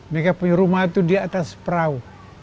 mereka punya rumah itu di atas perahu